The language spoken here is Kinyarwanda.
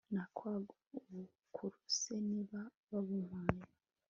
nakwanga ubukuru se niba babumpaye